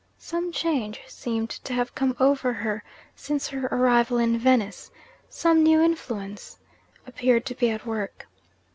Some change seemed to have come over her since her arrival in Venice; some new influence appeared to be at work.